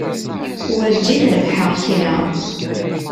Werjin rebḥeɣ kra.